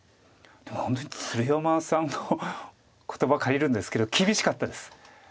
本当に鶴山さんの言葉借りるんですけど厳しかったです。